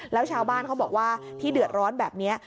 แล้วชาวบ้านเขาบอกว่าที่เดือดร้อนแบบนี้